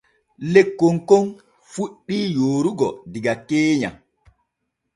Lekkon kon fuɗɗi yoorugo diga keenya.